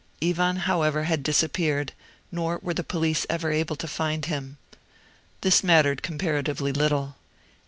Ivan, however, had disappeared; nor were the police ever able to find him. This mattered comparatively little.